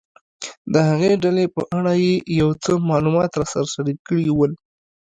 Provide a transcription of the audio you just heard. د هغې ډلې په اړه یې یو څه معلومات راسره شریک کړي ول.